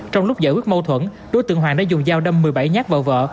trong lúc giải quyết mâu thuẫn đối tượng hoàng đã dùng dao đâm một mươi bảy nhát vào vợ